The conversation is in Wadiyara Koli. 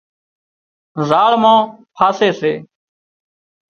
زاۯ مان پاسي سي